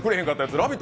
「ラヴィット！」